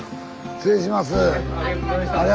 失礼します。